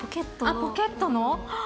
あっポケットの？